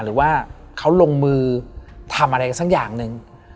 หรือว่าเขาลงมือทำอะไรกันสักอย่างหนึ่ง